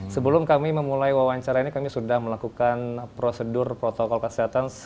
sebelum kami memulai wawancara ini kami sudah melakukan prosedur protokol kesehatan